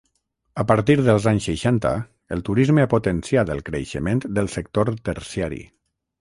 A partir dels anys seixanta, el turisme ha potenciat el creixement del sector terciari.